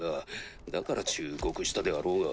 だから忠告したであろうが。